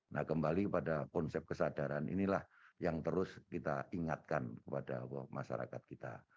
nah kembali pada konsep kesadaran inilah yang terus kita ingatkan kepada masyarakat kita